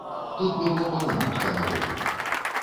Тут было паўнютка народу.